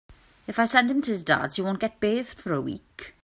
If I send him to his Dad’s he won’t get bathed for a week.